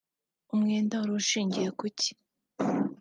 umwenda wari ushingiye kuki